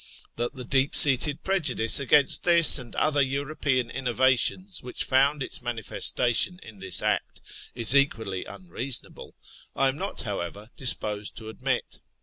That the deep seated prejudice against this and other European innovations which found its manifestation in this act is equally unreasonable, I am not, however, dis posed to admit.